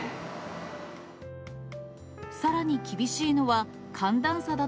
さらに厳しいのは、寒暖差だ